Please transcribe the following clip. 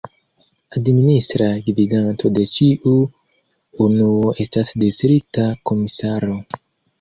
Administra gvidanto de ĉiu unuo estas distrikta komisaro.